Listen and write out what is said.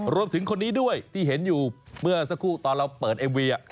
คนนี้ด้วยที่เห็นอยู่เมื่อสักครู่ตอนเราเปิดเอ็มวี